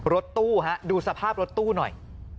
รถตู้ฮะดูสภาพรถตู้หน่อย